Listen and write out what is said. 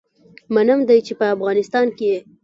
منم دی چې په افغانستان کي يي